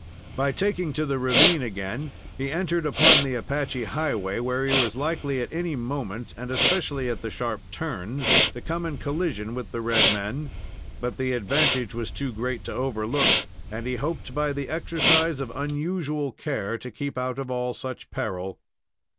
By taking to the ravine again, he entered upon the Apache highway, where he was likely, at any moment, and especially at the sharp turns, to come in collision with the red men, but the advantage was too great to overlook, and he hoped by the exercise of unusual care to keep out of all such peril.